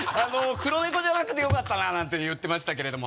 黒猫じゃなくてよかったななんて言ってましたけれども。